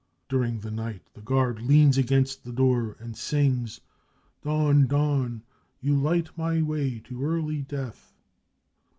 During the night the guard leans 1 against the door and sings :" Dawn, dawn, you light my way to early death."